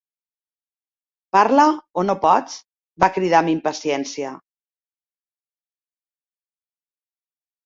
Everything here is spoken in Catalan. "Parla, o no pots?", va cridar amb impaciència.